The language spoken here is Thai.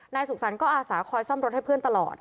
สุขสรรค์ก็อาสาคอยซ่อมรถให้เพื่อนตลอด